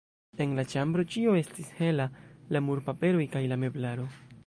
En la ĉambroj ĉio estis hela, la murpaperoj kaj la meblaro.